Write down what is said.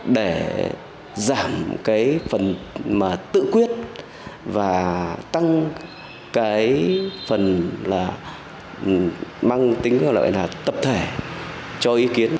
để giảm cái phần mà tự quyết và tăng cái phần là mang tính gọi là tập thể cho ý kiến